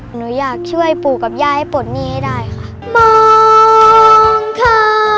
หนูอยากช่วยปู่กับย่าให้ปลดหนี้ให้ได้ค่ะมองเธอ